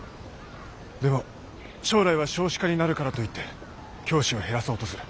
でも将来は少子化になるからといって教師を減らそうとする。